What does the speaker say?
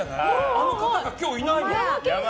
あの方が今日いないの。